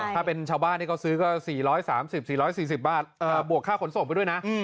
ถ้าเป็นชาวบ้านที่เขาซื้อก็๔๓๐๔๔๐บาทบวกค่าขนส่งไปด้วยนะ